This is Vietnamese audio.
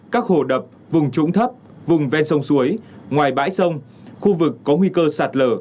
các hồ đập vùng trũng thấp vùng ven sông suối ngoài bãi sông khu vực có nguy cơ sạt lở